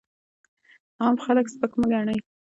عام خلک سپک مه ګڼئ!